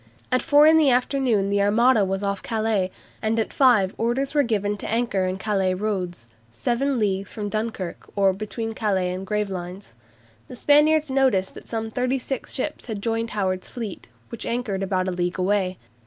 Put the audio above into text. At four in the afternoon the Armada was off Calais, and at five orders were given to anchor in Calais roads, "seven leagues from Dunkirk," or between Calais and Gravelines. The Spaniards noticed that some thirty six ships had joined Howard's fleet, which anchored about a league away.